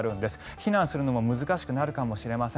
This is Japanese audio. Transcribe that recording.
避難するのが難しくなるかもしれません。